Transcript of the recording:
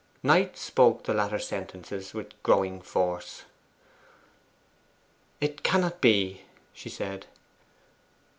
Knight spoke the latter sentences with growing force. 'It cannot be,' she said.